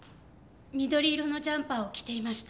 緑色のジャンパーを着ていました